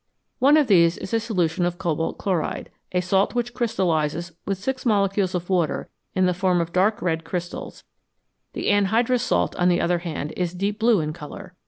One of these is a solution of cobalt chloride, a salt which crystallises with six molecules of water in the form of dark red crystals ; the anhydrous salt, on the other hand, is deep blue in colour.